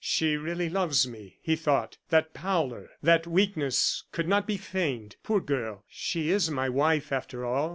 "She really loves me," he thought; "that pallor, that weakness could not be feigned. Poor girl! she is my wife, after all.